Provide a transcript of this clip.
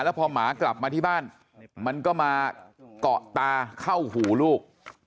แล้วพอหมากลับมาที่บ้านมันก็มาเกาะตาเข้าหูลูก